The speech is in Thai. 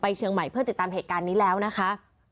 เชียงใหม่เพื่อติดตามเหตุการณ์นี้แล้วนะคะ